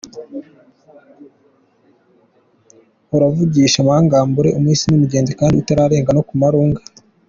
Uravugisha amagambure umuhisi n’umugenzi, kandi utaragera no mu marunga!